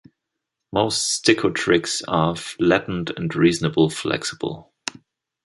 Most stichotrichs are flattened and reasonably flexible.